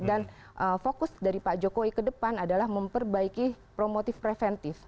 dan fokus dari pak jokowi ke depan adalah memperbaiki promotif preventif